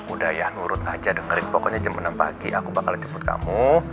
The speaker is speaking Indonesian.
udah ya nurut aja dengerin pokoknya jam enam pagi aku bakal jemput kamu